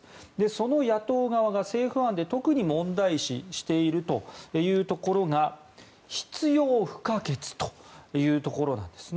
その野党側が政府案で特に問題視しているところが必要不可欠というところです。